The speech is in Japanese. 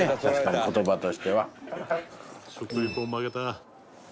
「食リポ負けた」